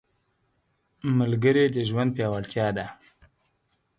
ملګری د ژوند پیاوړتیا ده